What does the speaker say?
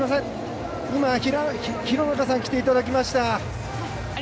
今、廣中さんに来ていただきました。